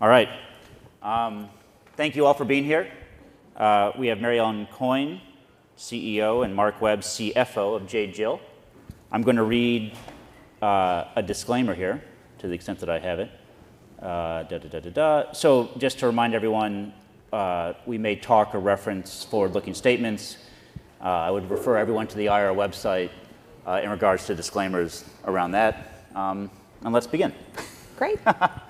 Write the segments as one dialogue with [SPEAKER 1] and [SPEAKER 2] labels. [SPEAKER 1] Alright. Thank you all for being here. We have Mary Ellen Coyne, CEO, and Mark Webb, CFO of J.Jill. I'm going to read a disclaimer here, to the extent that I have it. So just to remind everyone, we may talk or reference forward-looking statements. I would refer everyone to the IR website in regards to disclaimers around that. Let's begin.
[SPEAKER 2] Great.
[SPEAKER 1] Out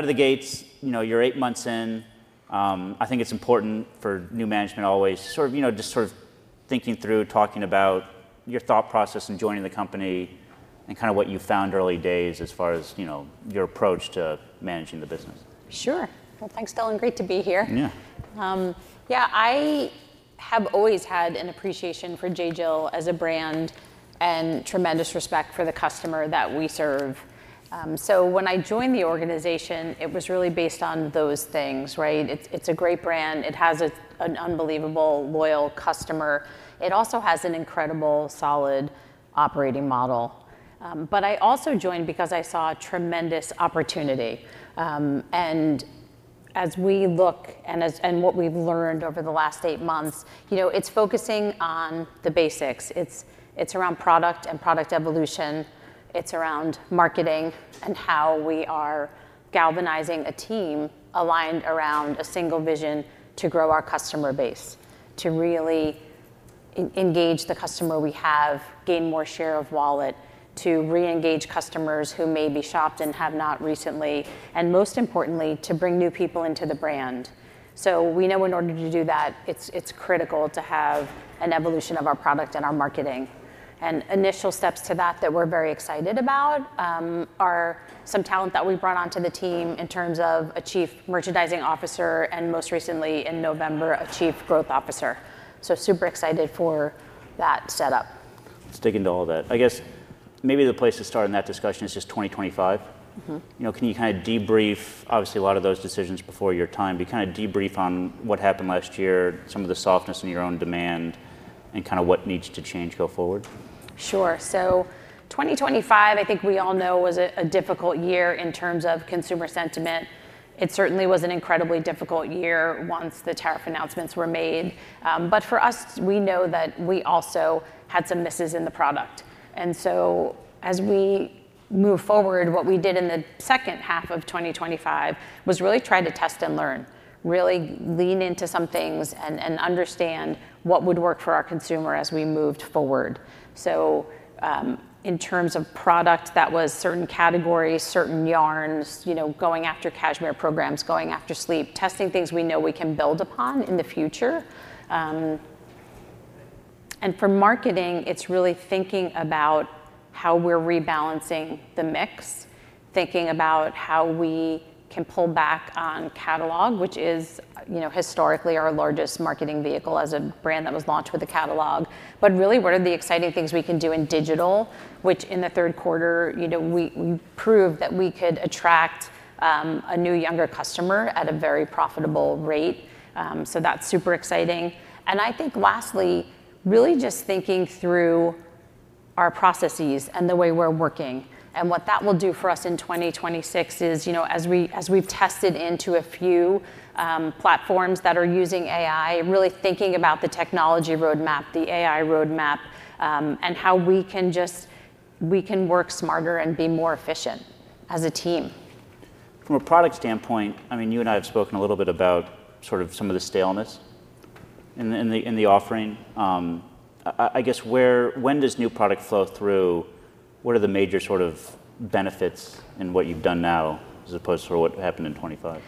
[SPEAKER 1] of the gates, you're eight months in. I think it's important for new management always sort of just sort of thinking through, talking about your thought process in joining the company, and kind of what you found early days as far as your approach to managing the business.
[SPEAKER 2] Sure. Well, thanks, Dylan. Great to be here.
[SPEAKER 1] Yeah.
[SPEAKER 2] Yeah, I have always had an appreciation for J.Jill as a brand and tremendous respect for the customer that we serve. So when I joined the organization, it was really based on those things, right? It's a great brand. It has an unbelievable, loyal customer. It also has an incredible, solid operating model. But I also joined because I saw tremendous opportunity. And as we look and what we've learned over the last eight months, it's focusing on the basics. It's around product and product evolution. It's around marketing and how we are galvanizing a team aligned around a single vision to grow our customer base, to really engage the customer we have, gain more share of wallet, to re-engage customers who may be shopped and have not recently, and most importantly, to bring new people into the brand. So we know in order to do that, it's critical to have an evolution of our product and our marketing. And initial steps to that we're very excited about are some talent that we brought onto the team in terms of a chief merchandising officer and most recently, in November, a chief growth officer. So super excited for that setup.
[SPEAKER 1] Sticking to all that, I guess maybe the place to start in that discussion is just 2025. Can you kind of debrief, obviously, a lot of those decisions before your time? Can you kind of debrief on what happened last year, some of the softness in your own demand, and kind of what needs to change go forward?
[SPEAKER 2] Sure. So 2025, I think we all know, was a difficult year in terms of consumer sentiment. It certainly was an incredibly difficult year once the tariff announcements were made. But for us, we know that we also had some misses in the product. And so as we move forward, what we did in the second half of 2025 was really try to test and learn, really lean into some things and understand what would work for our consumer as we moved forward. So in terms of product, that was certain categories, certain yarns, going after cashmere programs, going after sleep, testing things we know we can build upon in the future. And for marketing, it's really thinking about how we're rebalancing the mix, thinking about how we can pull back on catalog, which is historically our largest marketing vehicle as a brand that was launched with a catalog. But really, what are the exciting things we can do in digital, which in the third quarter, we proved that we could attract a new, younger customer at a very profitable rate. So that's super exciting. And I think lastly, really just thinking through our processes and the way we're working. And what that will do for us in 2026 is, as we've tested into a few platforms that are using AI, really thinking about the technology roadmap, the AI roadmap, and how we can just work smarter and be more efficient as a team.
[SPEAKER 1] From a product standpoint, I mean, you and I have spoken a little bit about sort of some of the staleness in the offering. I guess when does new product flow through? What are the major sort of benefits in what you've done now as opposed to what happened in 2025?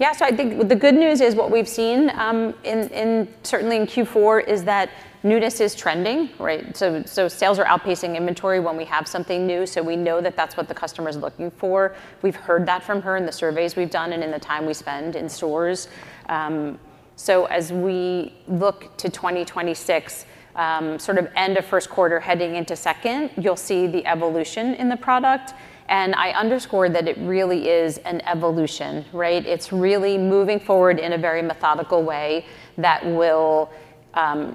[SPEAKER 2] Yeah, so I think the good news is what we've seen, certainly in Q4, is that newness is trending, right? So sales are outpacing inventory when we have something new. So we know that that's what the customer is looking for. We've heard that from her in the surveys we've done and in the time we spend in stores. So as we look to 2026, sort of end of first quarter heading into second, you'll see the evolution in the product. And I underscore that it really is an evolution, right? It's really moving forward in a very methodical way that will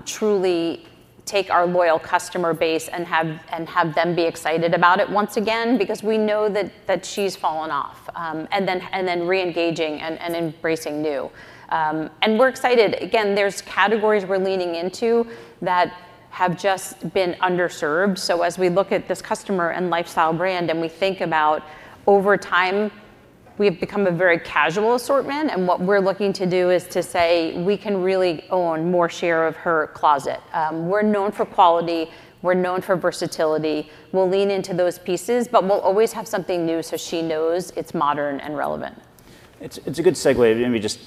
[SPEAKER 2] truly take our loyal customer base and have them be excited about it once again, because we know that she's fallen off, and then re-engaging and embracing new. And we're excited. Again, there's categories we're leaning into that have just been underserved. So as we look at this customer and lifestyle brand and we think about over time, we have become a very casual assortment. And what we're looking to do is to say we can really own more share of her closet. We're known for quality. We're known for versatility. We'll lean into those pieces, but we'll always have something new so she knows it's modern and relevant.
[SPEAKER 1] It's a good segue. Maybe just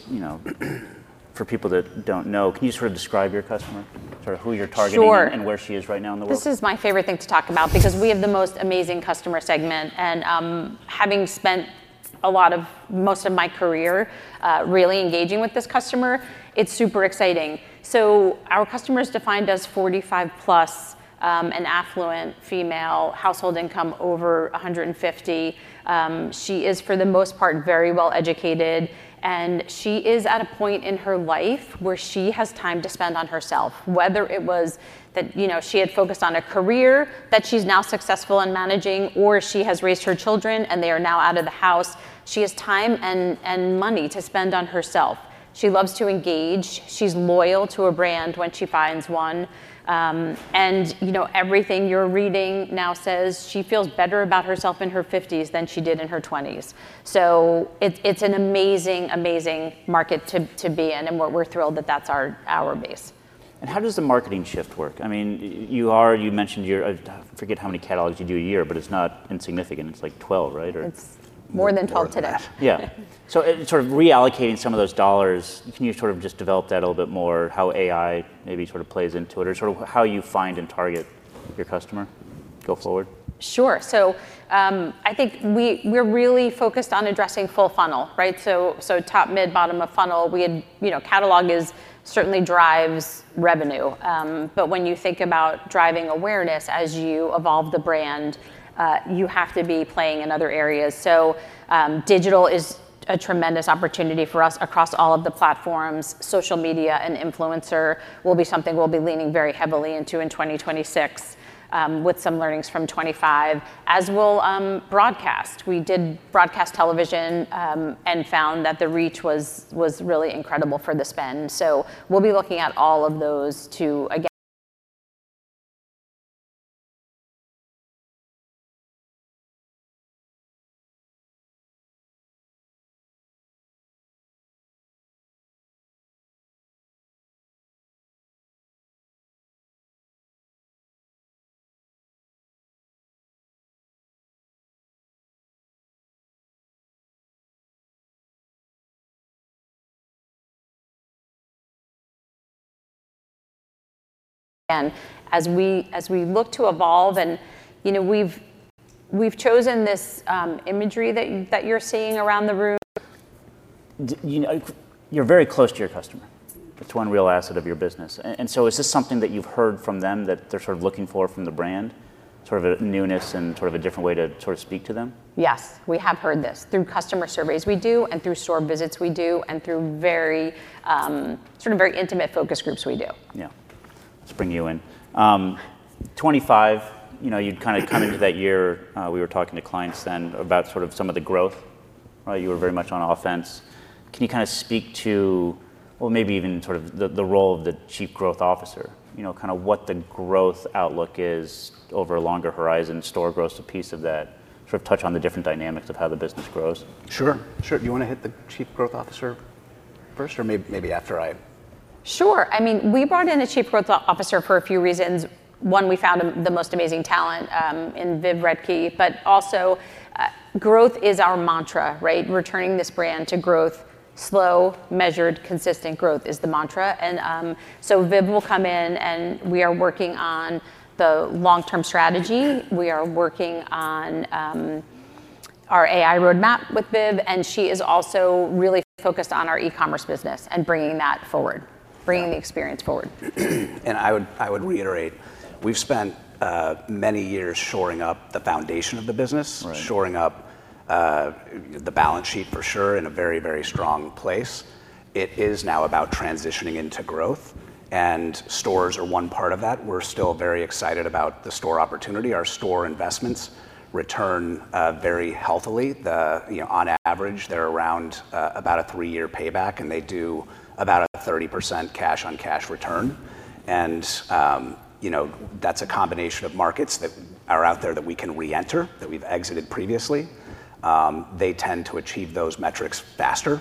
[SPEAKER 1] for people that don't know, can you sort of describe your customer, sort of who you're targeting and where she is right now in the world?
[SPEAKER 2] Sure. This is my favorite thing to talk about because we have the most amazing customer segment, and having spent a lot of most of my career really engaging with this customer, it's super exciting, so our customer is defined as 45+, an affluent female, household income over $150,000. She is, for the most part, very well educated, and she is at a point in her life where she has time to spend on herself, whether it was that she had focused on a career that she's now successful in managing, or she has raised her children and they are now out of the house. She has time and money to spend on herself. She loves to engage. She's loyal to a brand when she finds one. And everything you're reading now says she feels better about herself in her 50s than she did in her 20s. So it's an amazing, amazing market to be in. And we're thrilled that that's our base.
[SPEAKER 1] And how does the marketing shift work? I mean, you mentioned you forget how many catalogs you do a year, but it's not insignificant. It's like 12, right?
[SPEAKER 2] It's more than 12 today.
[SPEAKER 1] Yeah. So sort of reallocating some of those dollars, can you sort of just develop that a little bit more, how AI maybe sort of plays into it, or sort of how you find and target your customer go forward?
[SPEAKER 2] Sure. So I think we're really focused on addressing full funnel, right? So top, mid, bottom of funnel. Catalog certainly drives revenue. But when you think about driving awareness as you evolve the brand, you have to be playing in other areas. So digital is a tremendous opportunity for us across all of the platforms. Social media and influencer will be something we'll be leaning very heavily into in 2026 with some learnings from 2025, as will broadcast. We did broadcast television and found that the reach was really incredible for the spend. So we'll be looking at all of those too. As we look to evolve, and we've chosen this imagery that you're seeing around the room.
[SPEAKER 1] You're very close to your customer. It's one real asset of your business. And so is this something that you've heard from them that they're sort of looking for from the brand, sort of a newness and sort of a different way to sort of speak to them?
[SPEAKER 2] Yes, we have heard this. Through customer surveys we do, and through store visits we do, and through sort of very intimate focus groups we do.
[SPEAKER 1] Yeah. Let's bring you in. 2025, you'd kind of come into that year. We were talking to clients then about sort of some of the growth. You were very much on offense. Can you kind of speak to, well, maybe even sort of the role of the chief growth officer, kind of what the growth outlook is over a longer horizon, store growth's a piece of that, sort of touch on the different dynamics of how the business grows?
[SPEAKER 3] Sure. Sure. Do you want to hit the chief growth officer first, or maybe after I?
[SPEAKER 2] Sure. I mean, we brought in the chief growth officer for a few reasons. One, we found the most amazing talent in Viv Rettke. But also, growth is our mantra, right? Returning this brand to growth, slow, measured, consistent growth is the mantra. And so Viv will come in, and we are working on the long-term strategy. We are working on our AI roadmap with Viv. And she is also really focused on our e-commerce business and bringing that forward, bringing the experience forward.
[SPEAKER 3] And I would reiterate, we've spent many years shoring up the foundation of the business, shoring up the balance sheet for sure in a very, very strong place. It is now about transitioning into growth. And stores are one part of that. We're still very excited about the store opportunity. Our store investments return very healthily. On average, they're around about a three-year payback, and they do about a 30% cash-on-cash return. And that's a combination of markets that are out there that we can re-enter that we've exited previously. They tend to achieve those metrics faster.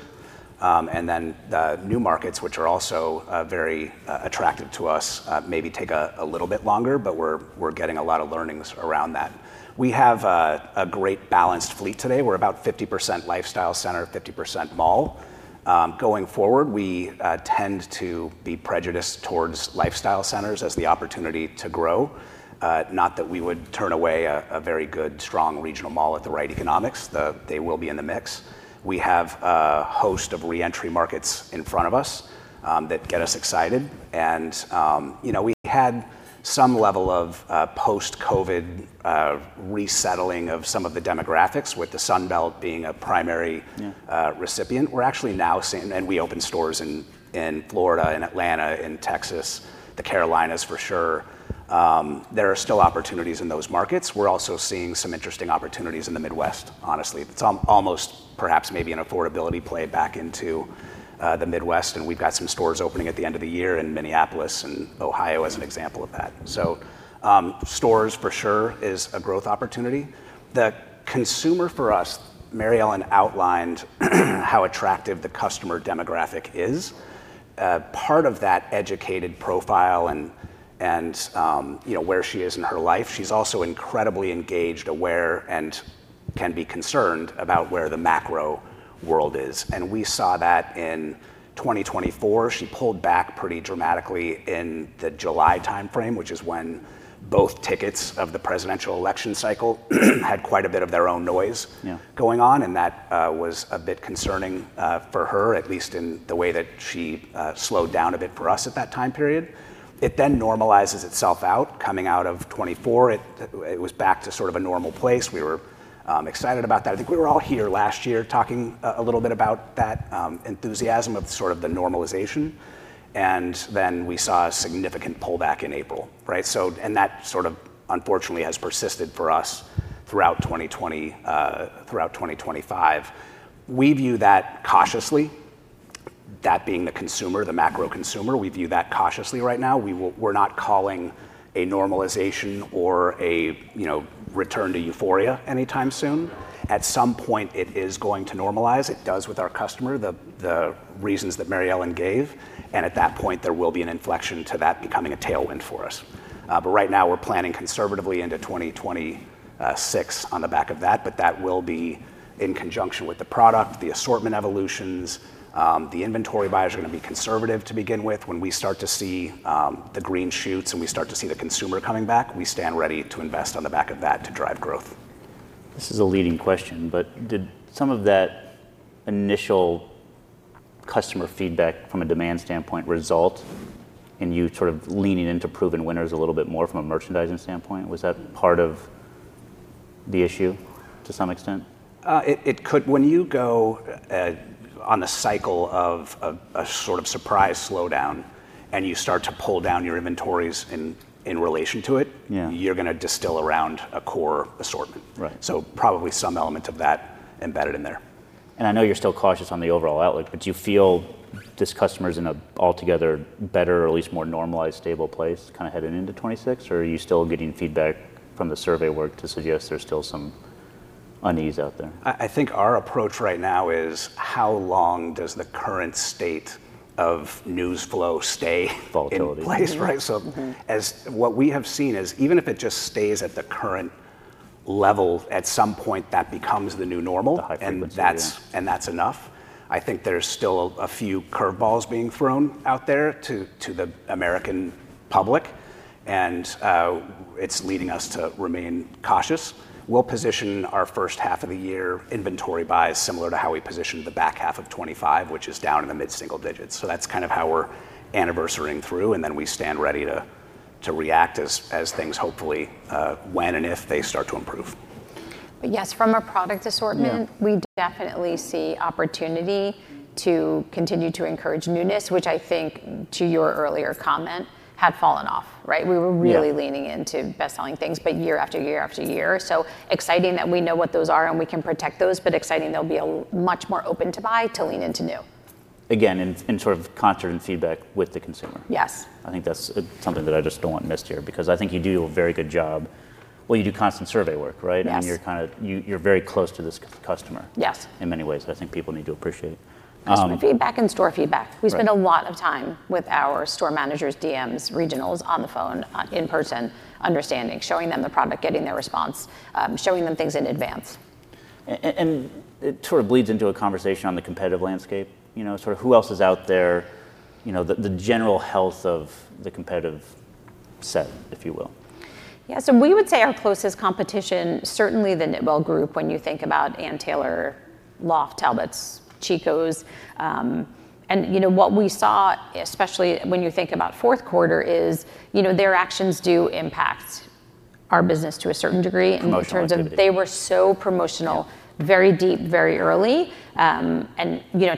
[SPEAKER 3] And then the new markets, which are also very attractive to us, maybe take a little bit longer, but we're getting a lot of learnings around that. We have a great balanced fleet today. We're about 50% lifestyle center, 50% mall. Going forward, we tend to be prejudiced towards lifestyle centers as the opportunity to grow. Not that we would turn away a very good, strong regional mall at the right economics. They will be in the mix. We have a host of re-entry markets in front of us that get us excited, and we had some level of post-COVID resettling of some of the demographics with the Sunbelt being a primary recipient. We're actually now seeing, and we opened stores in Florida, in Atlanta, in Texas, The Carolinas for sure. There are still opportunities in those markets. We're also seeing some interesting opportunities in the Midwest, honestly. It's almost perhaps maybe an affordability play back into the Midwest, and we've got some stores opening at the end of the year in Minneapolis and Ohio as an example of that, so stores for sure is a growth opportunity. The consumer for us, Mary Ellen outlined how attractive the customer demographic is. Part of that educated profile and where she is in her life, she's also incredibly engaged, aware, and can be concerned about where the macro world is, and we saw that in 2024. She pulled back pretty dramatically in the July time frame, which is when both tickets of the presidential election cycle had quite a bit of their own noise going on, and that was a bit concerning for her, at least in the way that she slowed down a bit for us at that time period. It then normalizes itself out coming out of 2024. It was back to sort of a normal place. We were excited about that. I think we were all here last year talking a little bit about that enthusiasm of sort of the normalization. And then we saw a significant pullback in April, right? And that sort of unfortunately has persisted for us throughout 2025. We view that cautiously, that being the consumer, the macro consumer. We view that cautiously right now. We're not calling a normalization or a return to euphoria anytime soon. At some point, it is going to normalize. It does with our customer, the reasons that Mary Ellen gave. And at that point, there will be an inflection to that becoming a tailwind for us. But right now, we're planning conservatively into 2026 on the back of that. But that will be in conjunction with the product, the assortment evolutions. The inventory buyers are going to be conservative to begin with. When we start to see the green shoots and we start to see the consumer coming back, we stand ready to invest on the back of that to drive growth.
[SPEAKER 1] This is a leading question, but did some of that initial customer feedback from a demand standpoint result in you sort of leaning into proven winners a little bit more from a merchandising standpoint? Was that part of the issue to some extent?
[SPEAKER 3] It could. When you go on the cycle of a sort of surprise slowdown and you start to pull down your inventories in relation to it, you're going to distill around a core assortment. So probably some element of that embedded in there.
[SPEAKER 1] I know you're still cautious on the overall outlook, but do you feel this customer is in an altogether better or at least more normalized, stable place kind of heading into 2026? Or are you still getting feedback from the survey work to suggest there's still some unease out there?
[SPEAKER 3] I think our approach right now is how long does the current state of news flow stay in place, right? So what we have seen is even if it just stays at the current level, at some point that becomes the new normal, and that's enough. I think there's still a few curveballs being thrown out there to the American public. And it's leading us to remain cautious. We'll position our first half of the year inventory buys similar to how we positioned the back half of 2025, which is down in the mid-single digits. So that's kind of how we're anniversarying through. And then we stand ready to react as things hopefully when and if they start to improve.
[SPEAKER 2] Yes, from a product assortment, we definitely see opportunity to continue to encourage newness, which I think to your earlier comment had fallen off, right? We were really leaning into best-selling things year after year after year. So exciting that we know what those are and we can protect those, but exciting they'll be much more open to buy to lean into new.
[SPEAKER 1] Again, in sort of concerted feedback with the consumer.
[SPEAKER 2] Yes.
[SPEAKER 1] I think that's something that I just don't want missed here because I think you do a very good job. Well, you do constant survey work, right? And you're kind of very close to this customer in many ways. I think people need to appreciate.
[SPEAKER 2] Customer feedback and store feedback. We spend a lot of time with our store managers, DMs, regionals on the phone, in person, understanding, showing them the product, getting their response, showing them things in advance.
[SPEAKER 1] It sort of bleeds into a conversation on the competitive landscape. Sort of who else is out there, the general health of the competitive set, if you will?
[SPEAKER 2] Yeah. So we would say our closest competition, certainly the KnitWell Group when you think about Ann Taylor, Loft, Talbots, Chico's. And what we saw, especially when you think about fourth quarter, is their actions do impact our business to a certain degree.
[SPEAKER 1] Promotionally.
[SPEAKER 2] They were so promotional, very deep, very early, and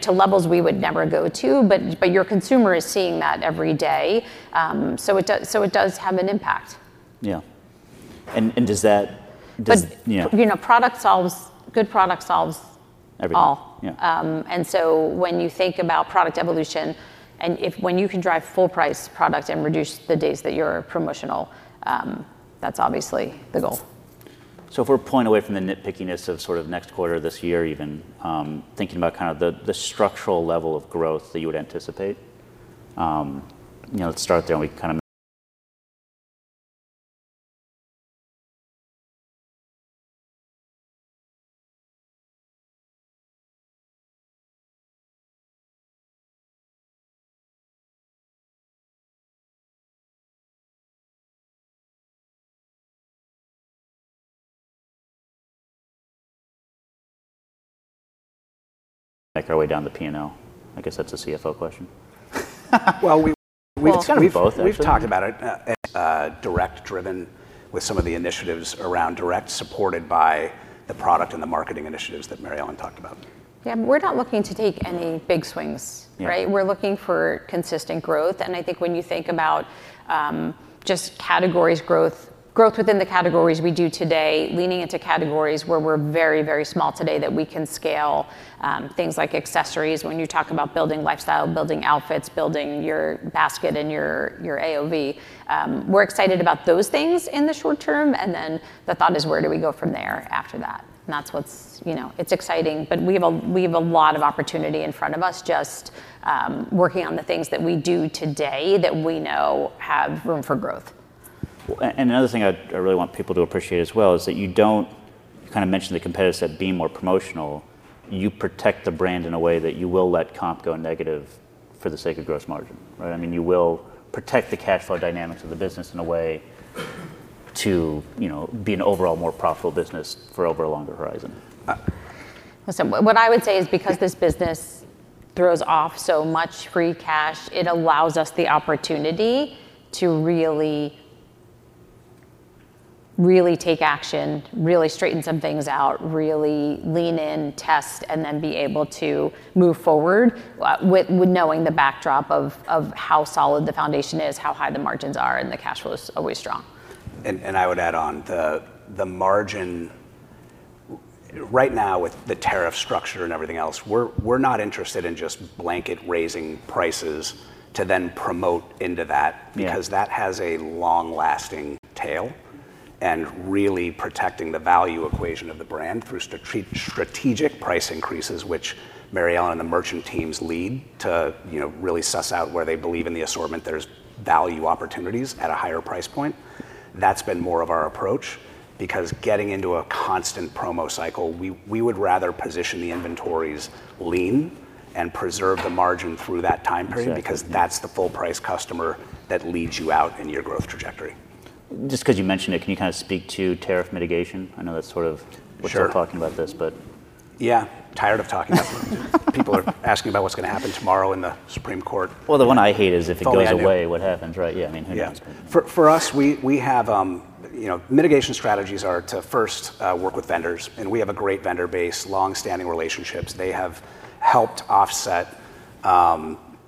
[SPEAKER 2] to levels we would never go to. But your consumer is seeing that every day. So it does have an impact.
[SPEAKER 1] Yeah. And does that?
[SPEAKER 2] Product sells, good product sells all. And so when you think about product evolution, and when you can drive full-price product and reduce the days that you're promotional, that's obviously the goal.
[SPEAKER 1] So if we're a point away from the nitpickiness of sort of next quarter this year, even thinking about kind of the structural level of growth that you would anticipate, let's start there. Make our way down to P&L. I guess that's a CFO question.
[SPEAKER 3] It's going to be both. We've talked about it. Direct-driven with some of the initiatives around direct supported by the product and the marketing initiatives that Mary Ellen talked about.
[SPEAKER 2] Yeah. We're not looking to take any big swings, right? We're looking for consistent growth, and I think when you think about just categories growth, growth within the categories we do today, leaning into categories where we're very, very small today that we can scale, things like accessories. When you talk about building lifestyle, building outfits, building your basket and your AOV, we're excited about those things in the short term, and then the thought is, where do we go from there after that, and that's what's exciting, but we have a lot of opportunity in front of us just working on the things that we do today that we know have room for growth.
[SPEAKER 1] And another thing I really want people to appreciate as well is that you don't kind of mention the competitive set being more promotional. You protect the brand in a way that you will let comp go negative for the sake of gross margin, right? I mean, you will protect the cash flow dynamics of the business in a way to be an overall more profitable business for over a longer horizon.
[SPEAKER 2] What I would say is because this business throws off so much free cash, it allows us the opportunity to really, really take action, really straighten some things out, really lean in, test, and then be able to move forward with knowing the backdrop of how solid the foundation is, how high the margins are, and the cash flow is always strong.
[SPEAKER 3] And I would add, on the margin right now with the tariff structure and everything else, we're not interested in just blanket raising prices to then promote into that because that has a long-lasting tail and really protecting the value equation of the brand through strategic price increases, which Mary Ellen and the merchant teams lead to really suss out where they believe in the assortment there's value opportunities at a higher price point. That's been more of our approach because getting into a constant promo cycle, we would rather position the inventories lean and preserve the margin through that time period because that's the full-price customer that leads you out in your growth trajectory.
[SPEAKER 1] Just because you mentioned it, can you kind of speak to tariff mitigation? I know that's sort of what you're talking about this, but.
[SPEAKER 3] Yeah. Tired of talking about it. People are asking about what's going to happen tomorrow in the Supreme Court.
[SPEAKER 1] The one I hate is if it goes away, what happens, right? Yeah. I mean, who knows?
[SPEAKER 3] For us, we have mitigation strategies are to first work with vendors, and we have a great vendor base, long-standing relationships. They have helped offset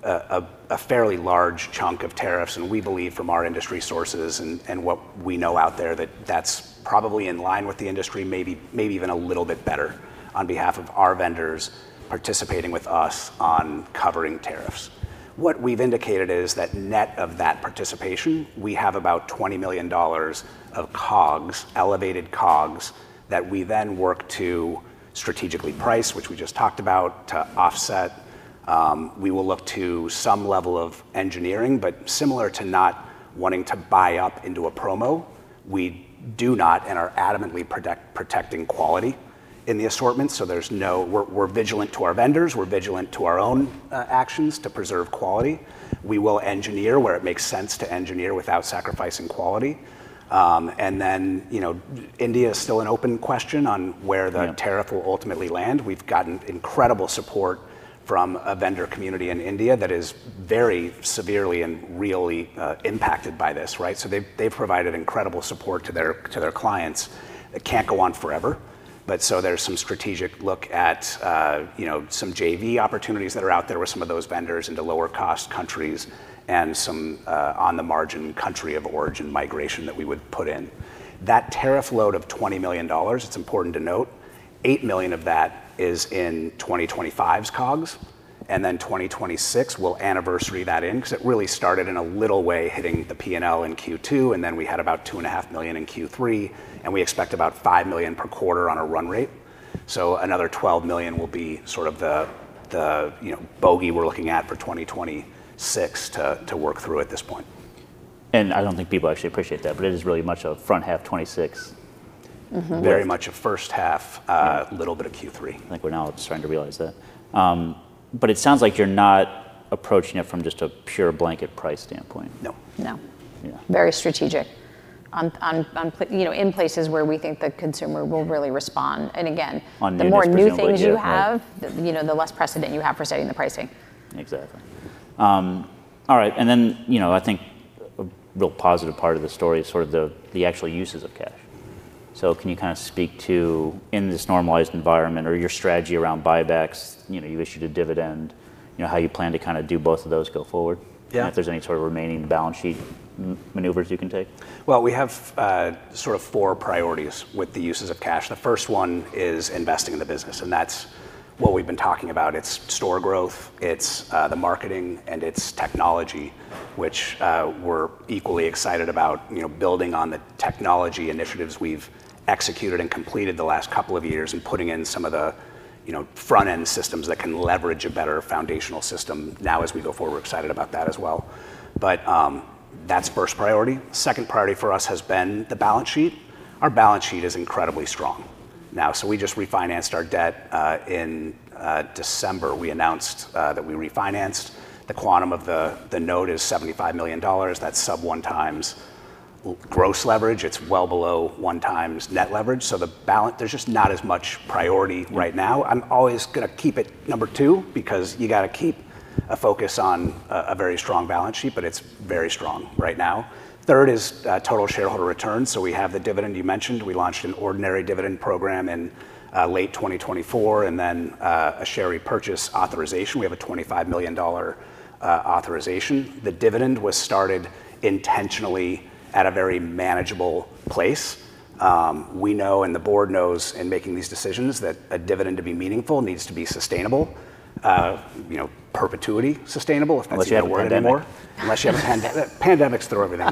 [SPEAKER 3] a fairly large chunk of tariffs, and we believe from our industry sources and what we know out there that that's probably in line with the industry, maybe even a little bit better on behalf of our vendors participating with us on covering tariffs. What we've indicated is that net of that participation, we have about $20 million of COGS, elevated COGS that we then work to strategically price, which we just talked about, to offset. We will look to some level of engineering, but similar to not wanting to buy up into a promo, we do not and are adamantly protecting quality in the assortment. We're vigilant to our vendors, and we're vigilant to our own actions to preserve quality. We will engineer where it makes sense to engineer without sacrificing quality. And then India is still an open question on where the tariff will ultimately land. We've gotten incredible support from a vendor community in India that is very severely and really impacted by this, right? So they've provided incredible support to their clients. It can't go on forever. But so there's some strategic look at some JV opportunities that are out there with some of those vendors into lower-cost countries and some on-the-margin country of origin migration that we would put in. That tariff load of $20 million, it's important to note, $8 million of that is in 2025's COGS. And then 2026, we'll anniversary that in because it really started in a little way hitting the P&L in Q2. And then we had about $2.5 million in Q3. We expect about $5 million per quarter on a run rate. Another $12 million will be sort of the bogey we're looking at for 2026 to work through at this point.
[SPEAKER 1] I don't think people actually appreciate that, but it is really much of front half 2026.
[SPEAKER 3] Very much of first half, a little bit of Q3.
[SPEAKER 1] I think we're now starting to realize that. But it sounds like you're not approaching it from just a pure blanket price standpoint.
[SPEAKER 3] No.
[SPEAKER 2] No. Very strategic in places where we think the consumer will really respond. And again, the more new things you have, the less precedent you have for setting the pricing.
[SPEAKER 1] Exactly. All right. And then I think a real positive part of the story is sort of the actual uses of cash. So can you kind of speak to, in this normalized environment, or your strategy around buybacks, you issued a dividend, how you plan to kind of do both of those go forward? And if there's any sort of remaining balance sheet maneuvers you can take?
[SPEAKER 3] We have sort of four priorities with the uses of cash. The first one is investing in the business and that's what we've been talking about. It's store growth, it's the marketing, and it's technology, which we're equally excited about building on the technology initiatives we've executed and completed the last couple of years and putting in some of the front-end systems that can leverage a better foundational system. Now, as we go forward, we're excited about that as well, but that's first priority. Second priority for us has been the balance sheet. Our balance sheet is incredibly strong now, so we just refinanced our debt in December. We announced that we refinanced. The quantum of the note is $75 million. That's sub one times gross leverage. It's well below 1x net leverage, so there's just not as much priority right now. I'm always going to keep it number two because you got to keep a focus on a very strong balance sheet, but it's very strong right now. Third is total shareholder return. So we have the dividend you mentioned. We launched an ordinary dividend program in late 2024 and then a share repurchase authorization. We have a $25 million authorization. The dividend was started intentionally at a very manageable place. We know and the board knows in making these decisions that a dividend to be meaningful needs to be sustainable, perpetuity sustainable, if that's yet a word anymore.
[SPEAKER 1] Unless you have a pandemic.
[SPEAKER 3] Pandemics throw everything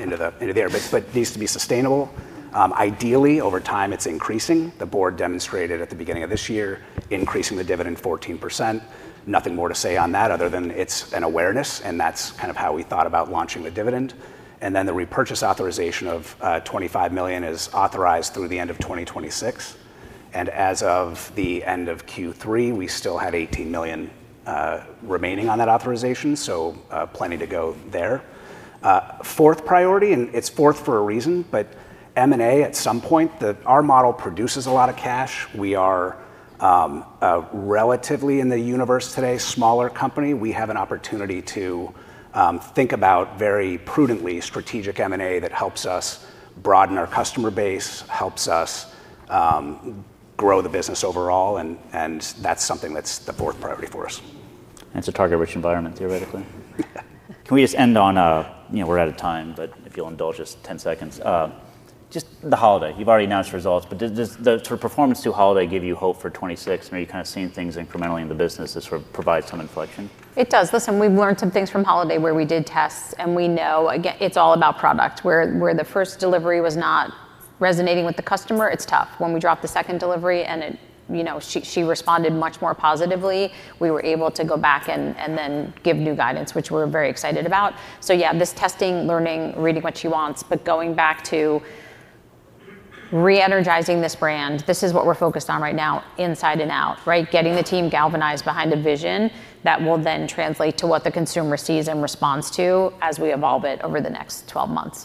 [SPEAKER 3] into there, but needs to be sustainable. Ideally, over time, it's increasing. The board demonstrated at the beginning of this year increasing the dividend 14%. Nothing more to say on that other than it's an awareness, and that's kind of how we thought about launching the dividend. And then the repurchase authorization of $25 million is authorized through the end of 2026. And as of the end of Q3, we still had $18 million remaining on that authorization. So plenty to go there. Fourth priority, and it's fourth for a reason, but M&A at some point, our model produces a lot of cash. We are relatively in the universe today, smaller company. We have an opportunity to think about very prudently strategic M&A that helps us broaden our customer base, helps us grow the business overall. And that's something that's the fourth priority for us.
[SPEAKER 1] And it's a target-rich environment, theoretically. Can we just end on, we're out of time, but if you'll indulge us 10 seconds? Just the holiday. You've already announced results, but does the sort of performance to holiday give you hope for 2026? Are you kind of seeing things incrementally in the business to sort of provide some inflection?
[SPEAKER 2] It does. Listen, we've learned some things from holiday where we did tests, and we know it's all about product. Where the first delivery was not resonating with the customer, it's tough. When we dropped the second delivery and she responded much more positively, we were able to go back and then give new guidance, which we're very excited about. So yeah, this testing, learning, reading what she wants, but going back to re-energizing this brand, this is what we're focused on right now inside and out, right? Getting the team galvanized behind a vision that will then translate to what the consumer sees and responds to as we evolve it over the next 12 months.